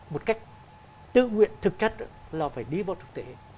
một cách tự nguyện thực chất là phải đi vào thực tế